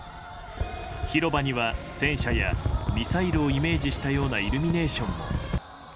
広場には戦車やミサイルをイメージしたようなイルミネーションも。